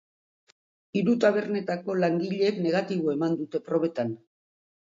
Hiru tabernetako langileek negatibo eman dute probetan.